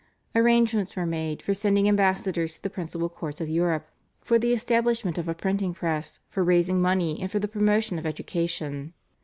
Arrangements were made for sending ambassadors to the principal courts of Europe, for the establishment of a printing press, for raising money, and for the promotion of education.